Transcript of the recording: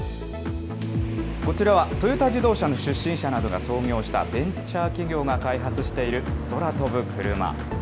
こちらは、トヨタ自動車の出身者などが創業したベンチャー企業が開発している空飛ぶクルマ。